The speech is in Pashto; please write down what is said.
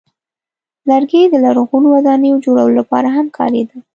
لرګی د لرغونو ودانیو جوړولو لپاره هم کارېده.